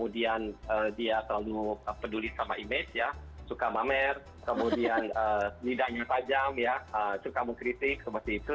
dan dia selalu peduli sama image suka mamer kemudian lidahnya tajam suka mengkritik seperti itu